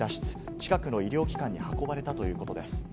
近くの医療機関に運ばれたとのことです。